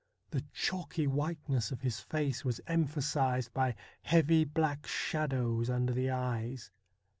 The chalky whiteness of his face was emphasised by heavy black shadows under the eyes.